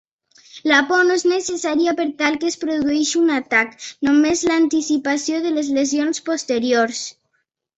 La por no és necessària per tal que es produeixi un atac, només l"anticipació de les lesions posteriors.